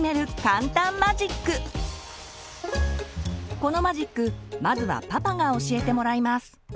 このマジックまずはパパが教えてもらいます。